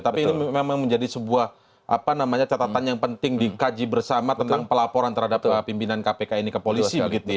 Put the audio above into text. tapi ini memang menjadi sebuah catatan yang penting dikaji bersama tentang pelaporan terhadap pimpinan kpk ini ke polisi